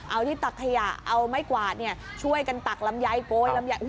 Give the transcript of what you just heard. เอาที่ตักขยะเอาไม้กวาดช่วยกันตักลำไยโกยลำไย